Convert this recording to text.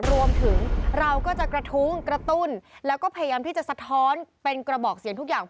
รวมถึงเราก็จะกระทุ้งกระตุ้นแล้วก็พยายามที่จะสะท้อนเป็นกระบอกเสียงทุกอย่าง